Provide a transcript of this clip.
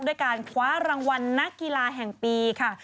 ด้วยการคว้ารางวัลนักกีฬาแห่งปีค่ะ